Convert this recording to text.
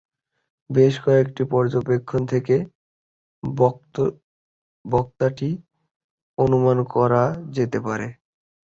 বেশ কয়েকটি পর্যবেক্ষণ থেকে বক্রতাটি অনুমান করা যেতে পারে।